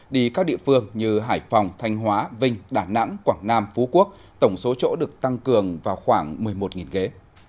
đi các địa phương như hải phòng thanh hóa vinh đà nẵng quảng nam phú quốc tổng số chỗ được tăng cường vào khoảng một mươi một ghế